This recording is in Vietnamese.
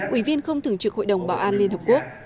ủy viên không thường trực hội đồng bảo an liên hợp quốc